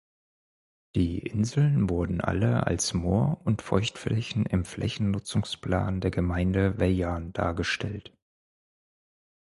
Die Inseln wurden alle als Moor- und Feuchtflächen im Flächennutzungsplan der Gemeinde Weyarn dargestellt.